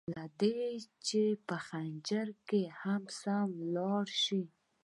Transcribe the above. له دي چي په ځنځير کي سم لاړ شي